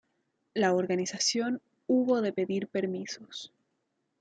La Organización hubo de pedir permisos.